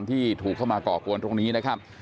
ที่ถูกเข้ามาก่อกวนตรงนี้นะครับ